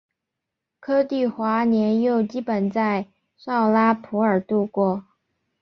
柯棣华幼年基本在绍拉普尔度过。